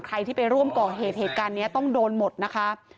ใครที่ไปร่วมก่อเหตุเหตุการณ์นี้ต้องโดนหมดนะคะ